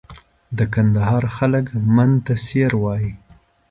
د کندهار خلک من ته سېر وایي.